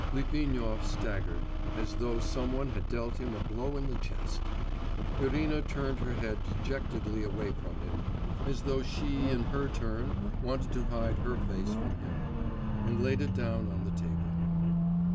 Litvinov staggered, as though some one had dealt him a blow in the chest. Irina turned her head dejectedly away from him, as though she in her turn wanted to hide her face from him, and laid it down on the table.